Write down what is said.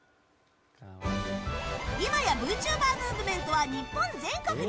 今やＶＴｕｂｅｒムーブメントは日本全国に！